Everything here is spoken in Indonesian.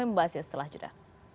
kami membahasnya setelah jeda